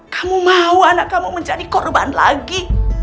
kamu mau anak kamu menjadi korban lagi